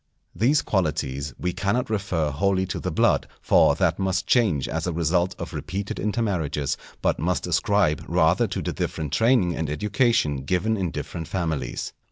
These qualities we cannot refer wholly to the blood, for that must change as a result of repeated intermarriages, but must ascribe rather to the different training and education given in different families.